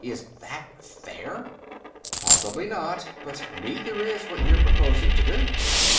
Is that fair?" "Possibly not. But neither is what you're proposing to do."